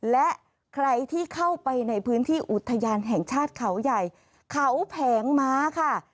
และใครที่เข้าไปในพื้นที่อุทยานแห่งชาติเขาใหญ่เขาแผงม้าค่ะ